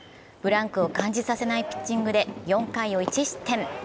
ブランクを感じさせないピッチングで４回を１失点。